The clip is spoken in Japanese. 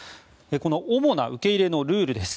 この主な受け入れのルールです。